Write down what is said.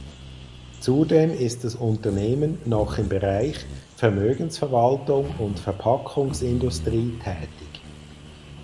Zudem ist das Unternehmen noch im Bereich Vermögensverwaltung und Verpackungsindustrie tätig.